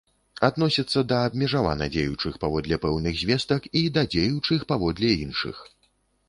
Адносіцца да абмежавана дзеючых паводле пэўных звестак і да дзеючых паводле іншых.